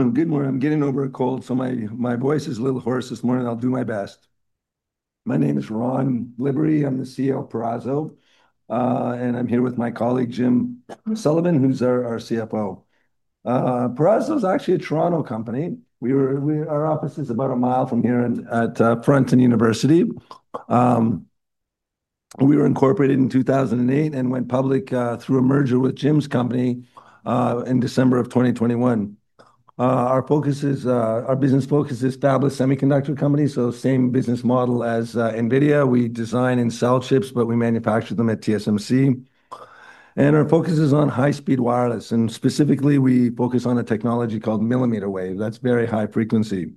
I'm getting over a cold, so my voice is a little hoarse this morning. I'll do my best. My name is Ron Glibbery. I'm the CEO of Peraso, and I'm here with my colleague Jim Sullivan, who's our CFO. Peraso is actually a Toronto company. Our office is about a mile from here at Frampton University. We were incorporated in 2008 and went public through a merger with Jim's company in December of 2021. Our business focus is to establish a semiconductor company, so same business model as NVIDIA. We design and sell chips, but we manufacture them at TSMC. Our focus is on high-speed wireless, and specifically we focus on a technology called mmWave. That's very high frequency.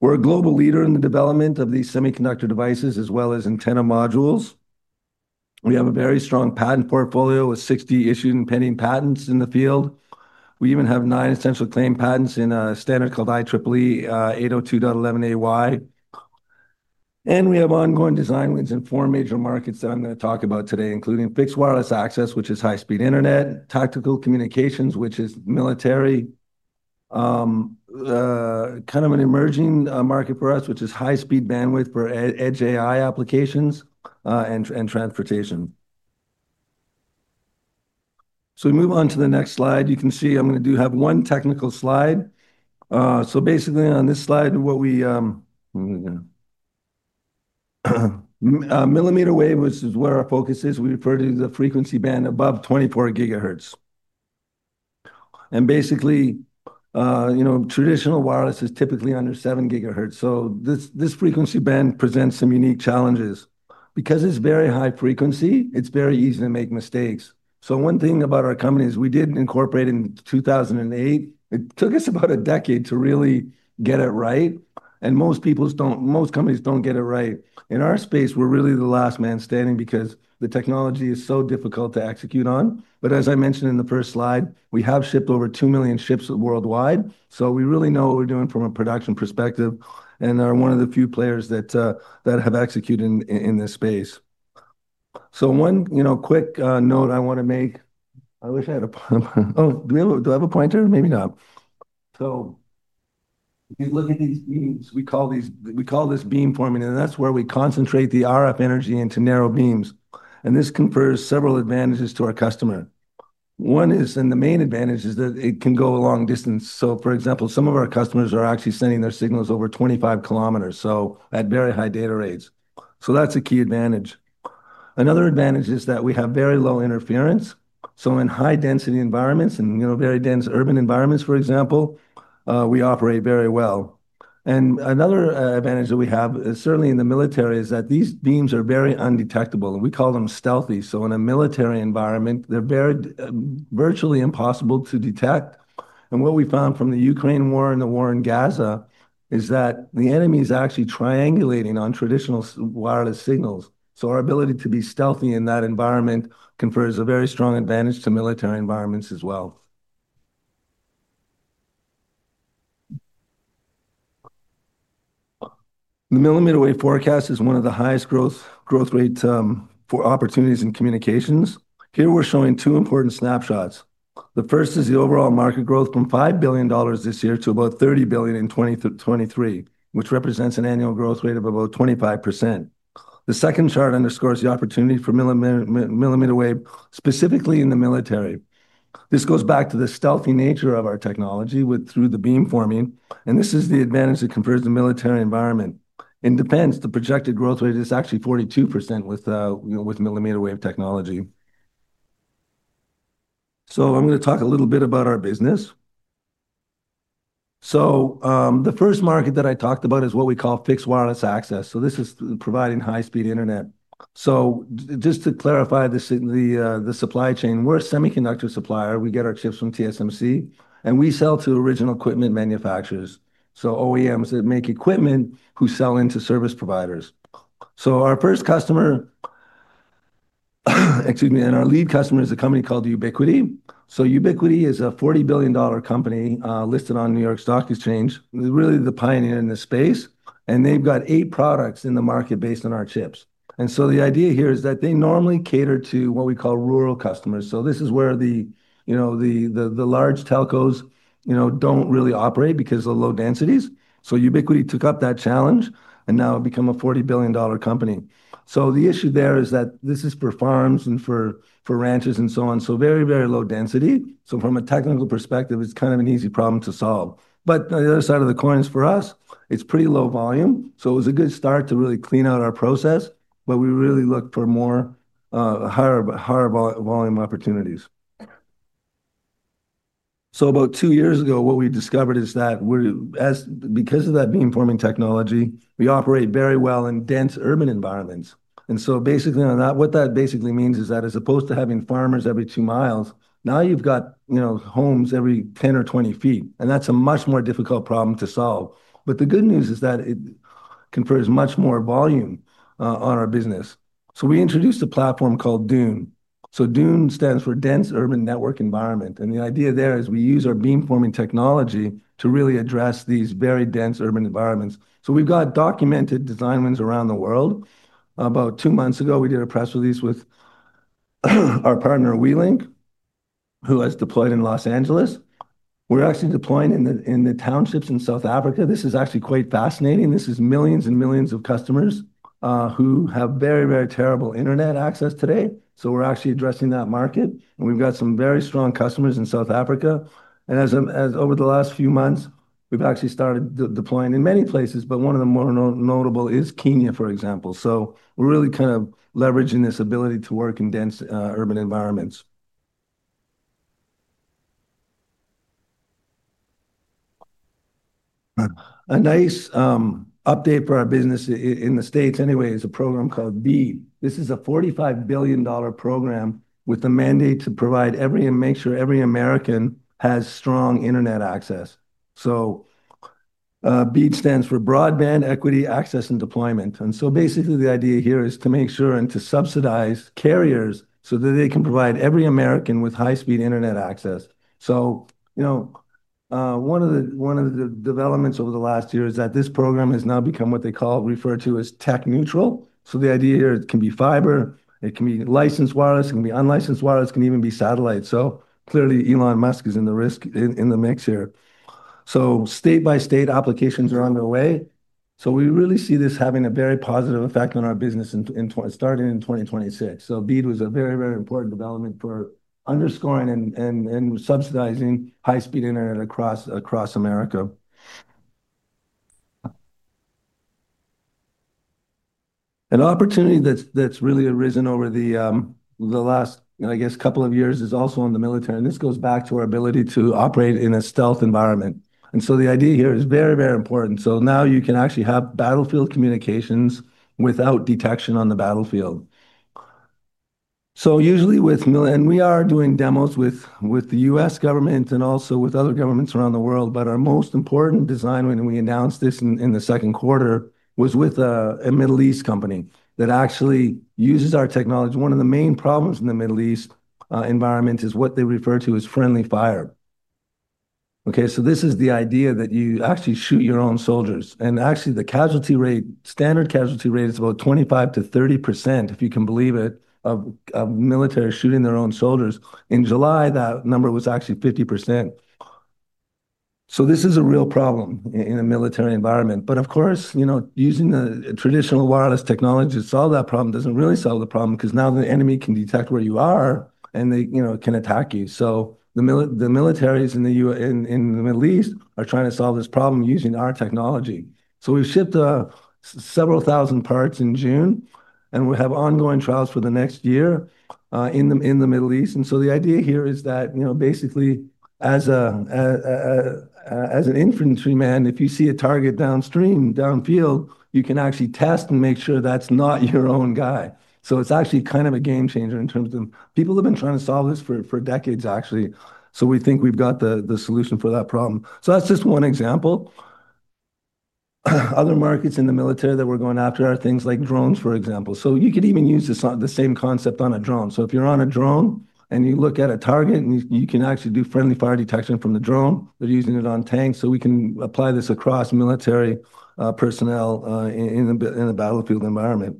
We're a global leader in the development of these semiconductor devices, as well as antenna modules. We have a very strong patent portfolio with 60 issued and pending patents in the field. We even have nine essential claim patents in a standard called IEEE 802.11ay. We have ongoing design wins in four major markets that I'm going to talk about today, including fixed wireless access, which is high-speed internet, tactical communications, which is military, kind of an emerging market for us, which is high-speed bandwidth for edge AI applications and transportation. If we move on to the next slide, you can see I'm going to have one technical slide. Basically on this slide, what we mmWave, which is where our focus is, we refer to the frequency band above 24 GHz. Basically, traditional wireless is typically under 7 GHz. This frequency band presents some unique challenges. Because it's very high frequency, it's very easy to make mistakes. One thing about our company is we did incorporate in 2008. It took us about a decade to really get it right. Most people don't, most companies don't get it right. In our space, we're really the last man standing because the technology is so difficult to execute on. As I mentioned in the first slide, we have shipped over 2 million chips worldwide. We really know what we're doing from a production perspective and are one of the few players that have executed in this space. One quick note I want to make. I wish I had a, oh, do we have a pointer? Maybe not. You look at these, we call these, we call this beamforming, and that's where we concentrate the RF energy into narrow beams. This confers several advantages to our customer. One is, and the main advantage is that it can go a long distance. For example, some of our customers are actually sending their signals over 25 km at very high data rates. That's a key advantage. Another advantage is that we have very low interference. In high-density environments and, you know, very dense urban environments, for example, we operate very well. Another advantage that we have, certainly in the military, is that these beams are very undetectable. We call them stealthy. In a military environment, they're virtually impossible to detect. What we found from the Ukraine war and the war in Gaza is that the enemy is actually triangulating on traditional wireless signals. Our ability to be stealthy in that environment confers a very strong advantage to military environments as well. The millimeter wave forecast is one of the highest growth rates for opportunities in communications. Here we're showing two important snapshots. The first is the overall market growth from $5 billion this year to about $30 billion in 2023, which represents an annual growth rate of about 25%. The second chart underscores the opportunity for millimeter wave, specifically in the military. This goes back to the stealthy nature of our technology through the beamforming. This is the advantage that confers the military environment. In defense, the projected growth rate is actually 42% with mmWave technology. I'm going to talk a little bit about our business. The first market that I talked about is what we call fixed wireless access. This is providing high-speed internet. Just to clarify the supply chain, we're a semiconductor supplier. We get our chips from TSMC, and we sell to original equipment manufacturers. OEMs make equipment who sell into service providers. Our first customer, excuse me, and our lead customer is a company called Ubiquiti. Ubiquiti is a $40 billion company listed on New York Stock Exchange. They're really the pioneer in this space. They've got eight products in the market based on our chips. The idea here is that they normally cater to what we call rural customers. This is where the, you know, the large telcos don't really operate because of the low densities. Ubiquiti took up that challenge and now become a $40 billion company. The issue there is that this is for farms and for ranches and so on. Very, very low density. From a technical perspective, it's kind of an easy problem to solve. The other side of the coin is for us, it's pretty low volume. It was a good start to really clean out our process, but we really look for more higher volume opportunities. About two years ago, what we discovered is that because of that beamforming technology, we operate very well in dense urban environments. Basically, what that means is that as opposed to having farmers every two miles, now you've got homes every 10 ft or 20 ft. That's a much more difficult problem to solve. The good news is that it confers much more volume on our business. We introduced a platform called DUNE. DUNE stands for Dense Urban Network Environment. The idea there is we use our beamforming technology to really address these very dense urban environments. We've got documented design wins around the world. About two months ago, we did a press release with our partner WeLink, who has deployed in Los Angeles. We're actually deploying in the townships in South Africa. This is actually quite fascinating. This is millions and millions of customers who have very, very terrible internet access today. We're actually addressing that market. We've got some very strong customers in South Africa. Over the last few months, we've actually started deploying in many places, but one of the more notable is Kenya, for example. We're really kind of leveraging this ability to work in dense urban environments. A nice update for our business in the States anyway is a program called BEAD. This is a $45 billion program with the mandate to provide every and make sure every American has strong internet access. BEAD stands for Broadband Equity Access and Deployment. The idea here is to make sure and to subsidize carriers so that they can provide every American with high-speed internet access. One of the developments over the last year is that this program has now become what they refer to as tech neutral. The idea here is it can be fiber, it can be licensed wireless, it can be unlicensed wireless, it can even be satellite. Clearly, Elon Musk is in the mix here. State-by-state applications are underway. We really see this having a very positive effect on our business starting in 2026. BEAD was a very, very important development for underscoring and subsidizing high-speed internet across America. An opportunity that's really arisen over the last, I guess, couple of years is also in the military. This goes back to our ability to operate in a stealth environment. The idea here is very, very important. Now you can actually have battlefield communications without detection on the battlefield. Usually, we are doing demos with the U.S. government and also with other governments around the world. Our most important design win, we announced this in the second quarter, was with a Middle East company that actually uses our technology. One of the main problems in the Middle East environment is what they refer to as friendly fire. This is the idea that you actually shoot your own soldiers. The casualty rate, standard casualty rate, is about 25%-30%, if you can believe it, of military shooting their own soldiers. In July, that number was actually 50%. This is a real problem in a military environment. Using the traditional wireless technology to solve that problem doesn't really solve the problem because now the enemy can detect where you are and they can attack you. The militaries in the Middle East are trying to solve this problem using our technology. We've shipped several thousand parts in June, and we have ongoing trials for the next year in the Middle East. The idea here is that basically as an infantryman, if you see a target downstream, downfield, you can actually test and make sure that's not your own guy. It's actually kind of a game changer in terms of people have been trying to solve this for decades, actually. We think we've got the solution for that problem. That's just one example. Other markets in the military that we're going after are things like drones, for example. You could even use the same concept on a drone. If you're on a drone and you look at a target, you can actually do friendly fire detection from the drone. They're using it on tanks. We can apply this across military personnel in a battlefield environment.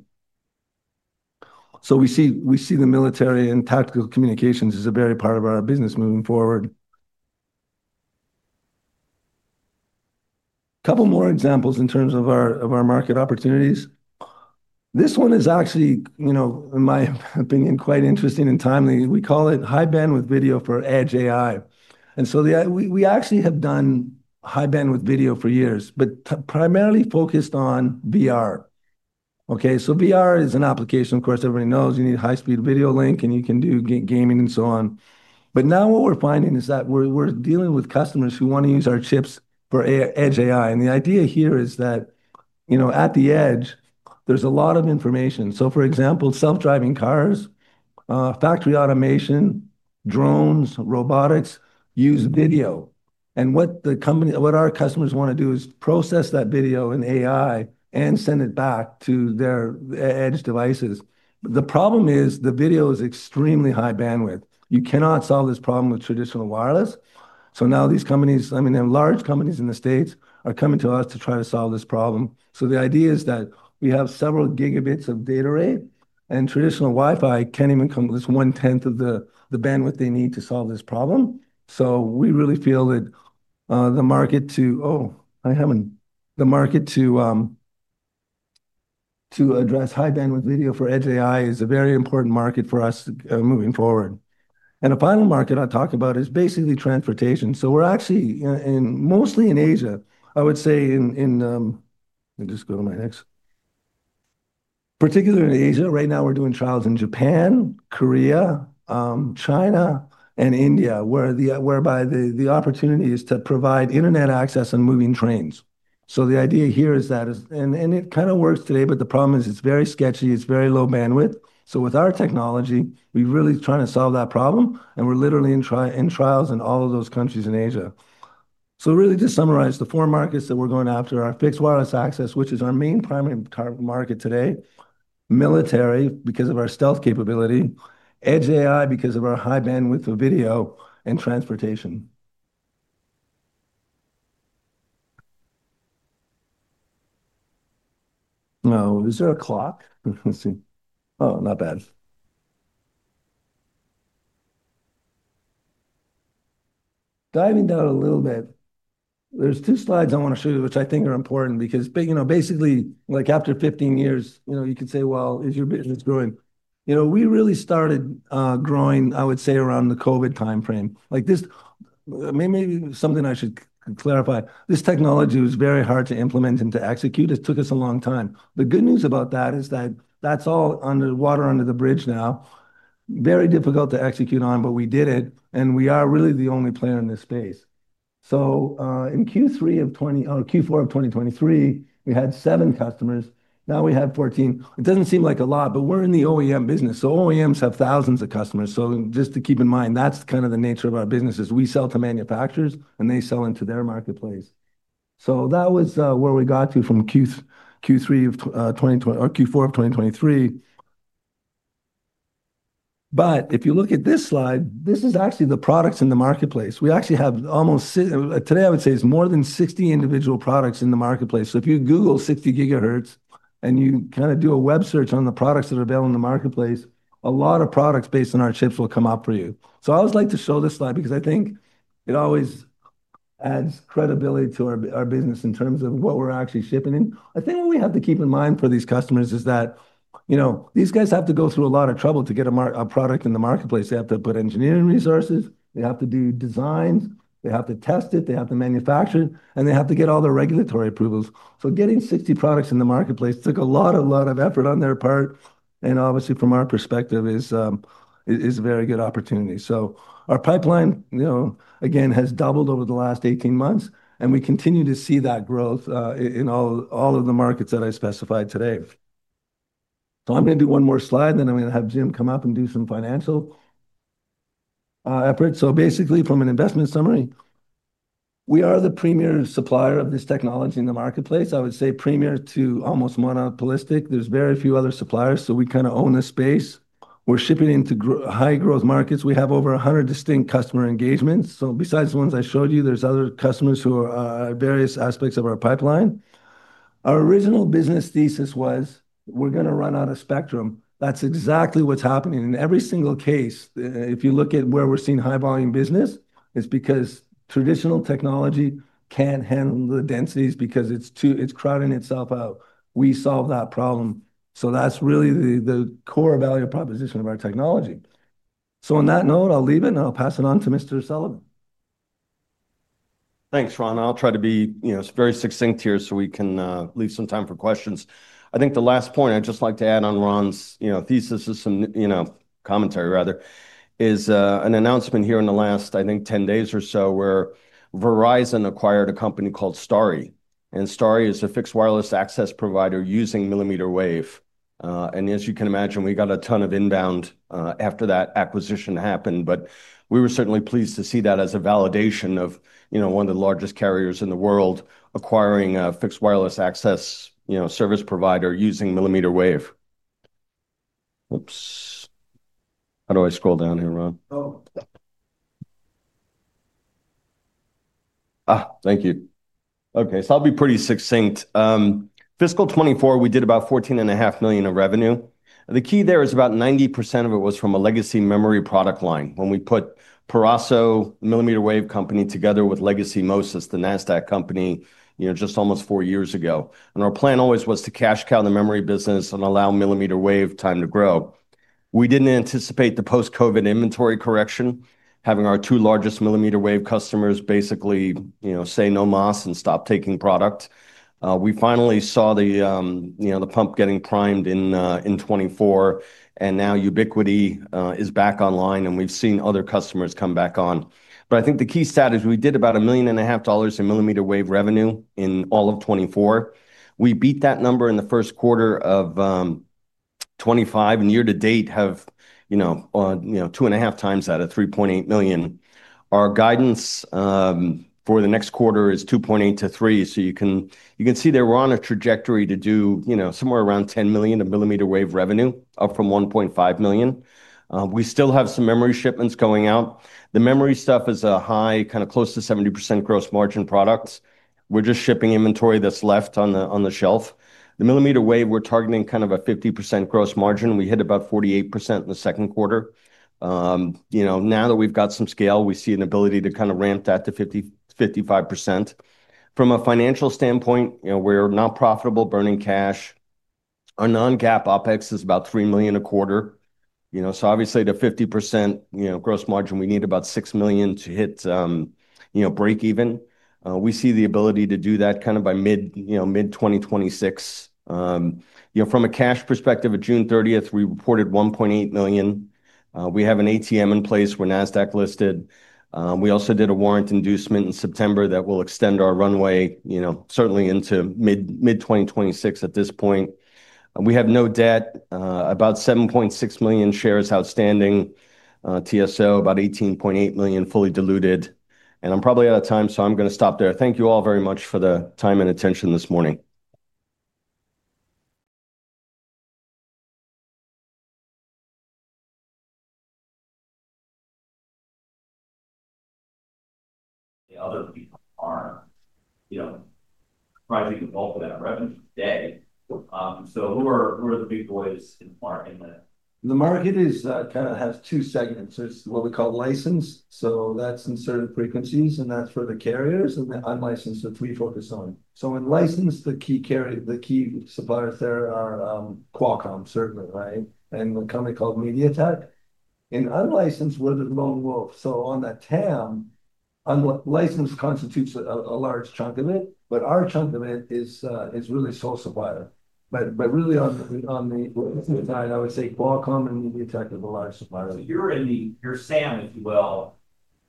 We see the military and tactical communications as a very important part of our business moving forward. A couple more examples in terms of our market opportunities. This one is actually, in my opinion, quite interesting and timely. We call it high bandwidth video for edge AI. We actually have done high bandwidth video for years, but primarily focused on VR. VR is an application, of course, everybody knows you need high-speed video link and you can do gaming and so on. Now what we're finding is that we're dealing with customers who want to use our chips for edge AI. The idea here is that at the edge, there's a lot of information. For example, self-driving cars, factory automation, drones, robotics use video. What the company, what our customers want to do is process that video in AI and send it back to their edge devices. The problem is the video is extremely high bandwidth. You cannot solve this problem with traditional wireless. Now these companies, large companies in the States, are coming to us to try to solve this problem. The idea is that we have several gigabits of data rate and traditional Wi-Fi can't even come to one-tenth of the bandwidth they need to solve this problem. We really feel that the market to address high bandwidth video for edge AI is a very important market for us moving forward. A final market I'll talk about is basically transportation. We're actually mostly in Asia, particularly in Asia. Right now we're doing trials in Japan, Korea, China, and India, whereby the opportunity is to provide internet access on moving trains. The idea here is that it kind of works today, but the problem is it's very sketchy, it's very low bandwidth. With our technology, we're really trying to solve that problem. We're literally in trials in all of those countries in Asia. To summarize, the four markets that we're going after are fixed wireless access, which is our main primary market today, military because of our stealth capability, edge AI because of our high bandwidth of video, and transportation. Diving down a little bit, there are two slides I want to show you, which I think are important because, basically, after 15 years, you could say, is your business growing? We really started growing, I would say, around the COVID timeframe. Maybe something I should clarify, this technology was very hard to implement and to execute. It took us a long time. The good news about that is that that's all water under the bridge now. Very difficult to execute on, but we did it. We are really the only player in this space. In Q3 of 2020 or Q4 of 2023, we had seven customers. Now we have 14. It doesn't seem like a lot, but we're in the OEM business. OEMs have thousands of customers. Just to keep in mind, that's kind of the nature of our business. We sell to manufacturers and they sell into their marketplace. That was where we got to from Q3 of 2020 or Q4 of 2023. If you look at this slide, this is actually the products in the marketplace. We actually have almost, today I would say it's more than 60 individual products in the marketplace. If you Google 60 GHz and you kind of do a web search on the products that are available in the marketplace, a lot of products based on our chips will come up for you. I always like to show this slide because I think it always adds credibility to our business in terms of what we're actually shipping in. What we have to keep in mind for these customers is that these guys have to go through a lot of trouble to get a product in the marketplace. They have to put engineering resources, they have to do designs, they have to test it, they have to manufacture it, and they have to get all the regulatory approvals. Getting 60 products in the marketplace took a lot of effort on their part. Obviously, from our perspective, it's a very good opportunity. Our pipeline has doubled over the last 18 months. We continue to see that growth in all of the markets that I specified today. I'm going to do one more slide, then I'm going to have Jim come up and do some financial effort. Basically, from an investment summary, we are the premier supplier of this technology in the marketplace. I would say premier to almost monopolistic. There's very few other suppliers. We kind of own this space. We're shipping into high growth markets. We have over 100 distinct customer engagements. Besides the ones I showed you, there's other customers who are in various aspects of our pipeline. Our original business thesis was we're going to run out of spectrum. That's exactly what's happening. In every single case, if you look at where we're seeing high volume business, it's because traditional technology can't handle the densities because it's crowding itself out. We solve that problem. That's really the core value proposition of our technology. On that note, I'll leave it and I'll pass it on to Mr. Sullivan. Thanks, Ron. I'll try to be very succinct here so we can leave some time for questions. I think the last point I'd just like to add on Ron's thesis is some commentary, rather, is an announcement here in the last, I think, 10 days or so where Verizon acquired a company called Starry. Starry is a fixed wireless access provider using mmWave. As you can imagine, we got a ton of inbound after that acquisition happened. We were certainly pleased to see that as a validation of one of the largest carriers in the world acquiring a fixed wireless access service provider using mmWave. How do I scroll down here, Ron? Thank you. Okay, so I'll be pretty succinct. Fiscal 2024, we did about $14.5 million in revenue. The key there is about 90% of it was from a legacy memory product line. When we put Peraso together with Legacy Moses, the NASDAQ company, just almost four years ago, our plan always was to cash cow the memory business and allow mmWave time to grow. We didn't anticipate the post-COVID inventory correction, having our two largest mmWave customers basically say no mas and stop taking product. We finally saw the pump getting primed in 2024. Now Ubiquiti is back online, and we've seen other customers come back on. I think the key stat is we did about $1.5 million in mmWave revenue in all of 2024. We beat that number in the first quarter of 2025 and year to date have 2.5x that at $3.8 million. Our guidance for the next quarter is $2.8 million-$3 million. You can see that we're on a trajectory to do somewhere around $10 million in mmWave revenue, up from $1.5 million. We still have some memory shipments going out. The memory stuff is a high, kind of close to 70% gross margin products. We're just shipping inventory that's left on the shelf. The mmWave, we're targeting kind of a 50% gross margin. We hit about 48% in the second quarter. Now that we've got some scale, we see an ability to ramp that to 55%. From a financial standpoint, we're not profitable, burning cash. Our non-GAAP OpEx is about $3 million a quarter. Obviously, to 50% gross margin, we need about $6 million to hit break even. We see the ability to do that kind of by mid-2026. You know, from a cash perspective, at June 30th, we reported $1.8 million. We have an ATM in place where NASDAQ listed. We also did a warrant inducement in September that will extend our runway, you know, certainly into mid-2026 at this point. We have no debt, about 7.6 million shares outstanding, TSO about 18.8 million fully diluted. I'm probably out of time, so I'm going to stop there. Thank you all very much for the time and attention this morning. Other people aren't rising the bulk of that revenue today. Who are the big boys in the market? The market kind of has two segments. There's what we call licensed. That's in certain frequencies, and that's for the carriers. The unlicensed is what we focus on. In licensed, the key suppliers there are Qualcomm, certainly, and a company called MediaTek. In unlicensed, we're the lone wolf. On that TAM, unlicensed constitutes a large chunk of it. Our chunk of it is really sole supplier. I would say Qualcomm and MediaTek are the large suppliers. You're in the, your SAM, if you will,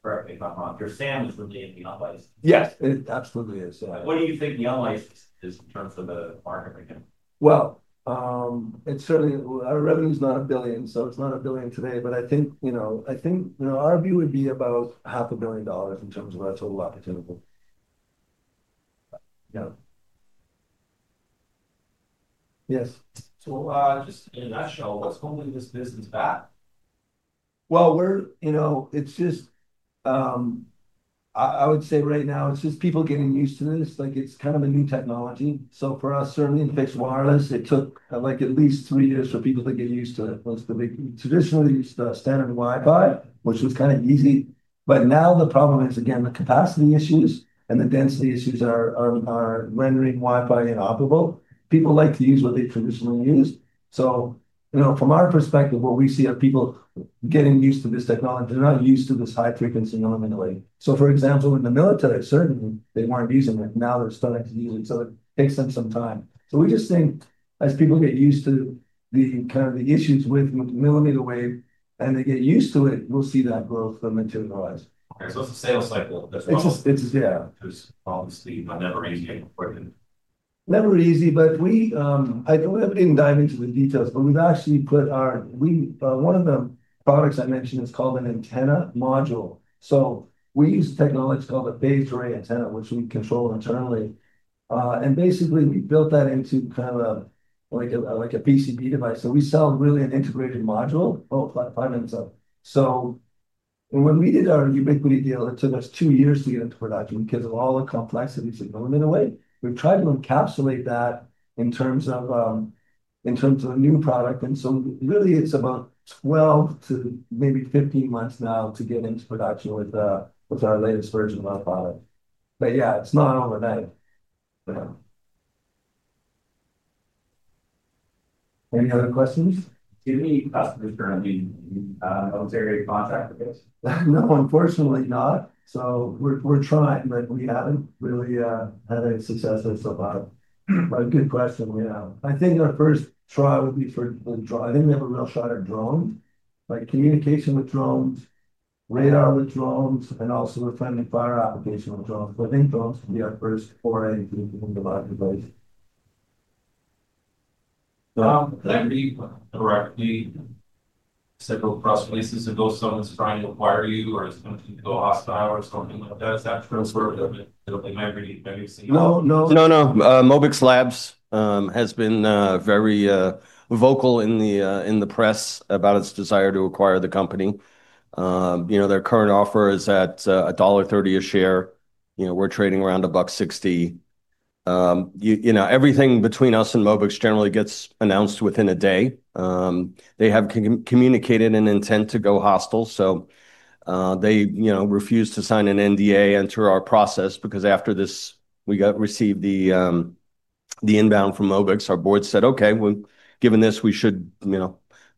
correct me if I'm wrong. Your SAM is really in the unlicensed. Yes, it absolutely is. What do you think the unlicensed is in terms of the market right now? Our revenue is not a billion, so it's not a billion today. I think our view would be about half a billion dollars in terms of our total opportunity. Yes, just in a nutshell, what's holding this business back? It is just, I would say right now, it's just people getting used to this. Like it's kind of a new technology. For us, certainly in fixed wireless, it took at least three years for people to get used to it. Once the big traditionally used to standard Wi-Fi, which was kind of easy. Now the problem is, again, the capacity issues and the density issues are rendering Wi-Fi inoperable. People like to use what they traditionally use. From our perspective, what we see are people getting used to this technology. They're not used to this high-frequency millimeter wave. For example, in the military, certainly, they weren't using it. Now they're starting to use it. It takes them some time. We just think as people get used to the kind of the issues with millimeter wave and they get used to it, we'll see that growth materialize. Okay, it's a sales cycle as well. Yeah. Which is obviously not ever easy. Never easy, but we, I don't know if we didn't dive into the details, but we've actually put our, one of the products I mentioned is called an antenna module. We use a technology called a phased array antenna, which we control internally. Basically, we built that into kind of a, like a PCB device. We sell really an integrated module. Oh, five minutes left. When we did our Ubiquiti deal, it took us two years to get into production because of all the complexities of millimeter wave. We've tried to encapsulate that in terms of a new product. Really, it's about 12 to maybe 15 months now to get into production with our latest version of our product. Yeah, it's not overnight. Any other questions? Do any customers currently use military contract with this? No, unfortunately not. We're trying, but we haven't really had any success so far. Good question. I think our first try would be for the drone. I think we have a real shot at drones, like communication with drones, radar with drones, and also a friendly fire application with drones. I think drones would be our first foray into the marketplace. Did I read correctly several press releases ago? Someone's trying to acquire you or is going to go hostile or something like that? Is that true for everything I've read? No, no, no, no. Mobix Labs has been very vocal in the press about its desire to acquire the company. Their current offer is at $1.30 a share. We're trading around $1.60. Everything between us and Mobix generally gets announced within a day. They have communicated an intent to go hostile. They refused to sign an NDA and enter our process because after this, we received the inbound from Mobix. Our board said, okay, given this, we should,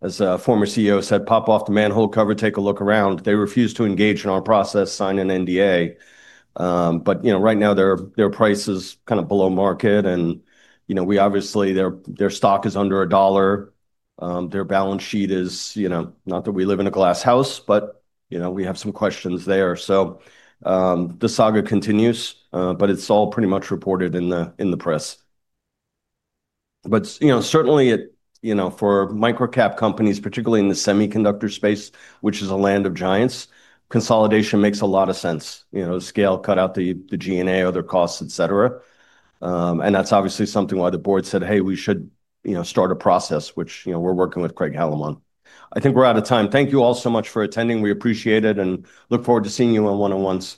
as a former CEO said, pop off the manhole cover, take a look around. They refused to engage in our process, sign an NDA. Right now their price is kind of below market and we obviously, their stock is under a dollar. Their balance sheet is, not that we live in a glass house, but we have some questions there. The saga continues, but it's all pretty much reported in the press. Certainly, for microcap companies, particularly in the semiconductor space, which is a land of giants, consolidation makes a lot of sense. Scale, cut out the G&A, other costs, et cetera. That's obviously something why the board said, hey, we should start a process, which we're working with Craig-Hallum on. I think we're out of time. Thank you all so much for attending. We appreciate it and look forward to seeing you on one-on-ones.